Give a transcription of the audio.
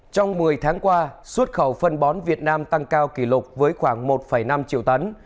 trong một mươi tháng qua xuất khẩu phân bón việt nam tăng cao kỷ lục với khoảng một năm triệu tấn